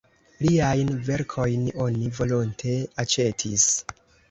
Liajn verkojn oni volonte aĉetis.